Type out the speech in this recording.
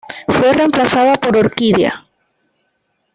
Fue reemplazada por "Orquídea.